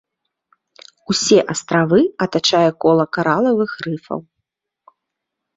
Усе астравы атачае кола каралавых рыфаў.